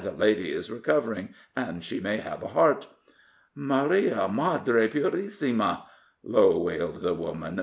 "The lady is recovering, and she may have a heart." "Maria, Madre purissima!" low wailed the woman.